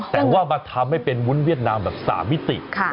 แต่ว่ามาทำให้เป็นวุ้นเวียดนามแบบ๓มิติ